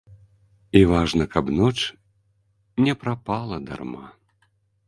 І важна, каб ноч не прапала дарма.